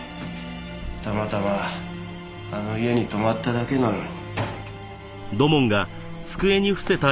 たまたまあの家に泊まっただけなのに。